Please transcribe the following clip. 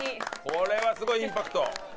これはすごいインパクト。